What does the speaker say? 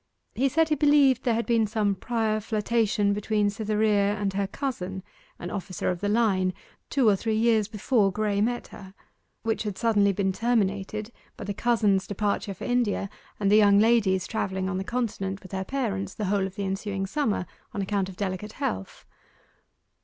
He said he believed there had been some prior flirtation between Cytherea and her cousin, an officer of the line, two or three years before Graye met her, which had suddenly been terminated by the cousin's departure for India, and the young lady's travelling on the Continent with her parents the whole of the ensuing summer, on account of delicate health.